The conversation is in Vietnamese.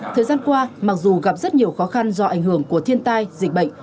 thời gian qua mặc dù gặp rất nhiều khó khăn do ảnh hưởng của thiên tai dịch bệnh